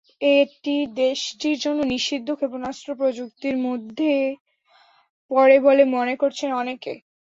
এটি দেশটির জন্য নিষিদ্ধ ক্ষেপণাস্ত্র প্রযুক্তির মধ্যে পড়ে বলে মনে করছেন অনেকে।